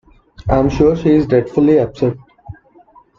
I'm sure she is dreadfully upset.